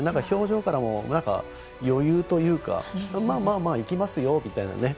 表情からも余裕というかまあまあ、いきますよみたいな